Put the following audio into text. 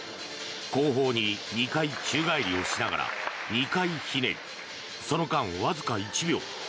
後方に２回宙返りをしながら２回ひねりその間、わずか１秒。